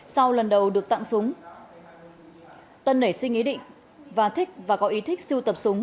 sau lần đầu được tặng súng tân nảy sinh ý định và thích và có ý thích siêu tập súng